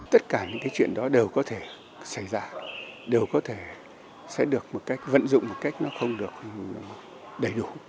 tất cả những cái chuyện đó đều có thể xảy ra đều có thể sẽ được một cách vận dụng một cách nó không được đầy đủ